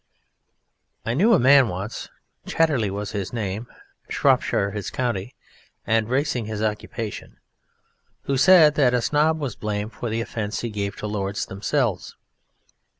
I knew a man once Chatterley was his name, Shropshire his county, and racing his occupation who said that a snob was blamed for the offence he gave to Lords themselves.